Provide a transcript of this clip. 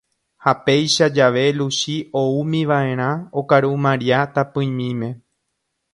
ha péichajave Luchi oúmiva'erã okaru Maria tapỹimime.